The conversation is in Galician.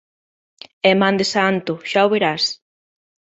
É man de santo, xa o verás...